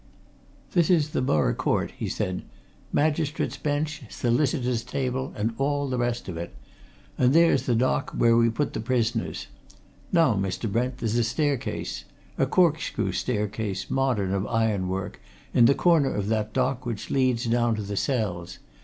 "This is the Borough Court," he said. "Magistrates' bench, solicitors' table, and all the rest of it. And there's the dock, where we put the prisoners. Now, Mr. Brent, there's a staircase a corkscrew staircase, modern, of ironwork in the corner of that dock which leads down to the cells.